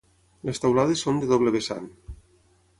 Les teulades són de doble vessant.